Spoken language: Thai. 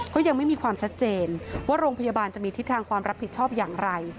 ก็ยังไม่มีความชัดเจนว่าโรงพยาบาลจะมีทิศทางความรับผิดชอบอย่างไร